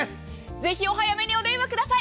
ぜひお早めにお電話ください。